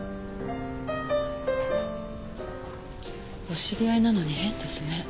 お知り合いなのに変ですね。